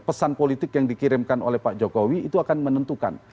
pesan politik yang dikirimkan oleh pak jokowi itu akan menentukan